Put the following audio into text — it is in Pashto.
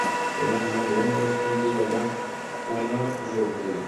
که موږ ژوند ومنو، ستونزې به موږ ونه ژوبلوي.